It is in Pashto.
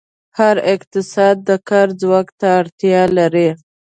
هر اقتصاد د کار ځواک ته اړتیا لري.